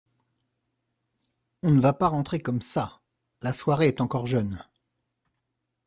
On ne va pas rentrer comme ça, la soirée est encore jeune.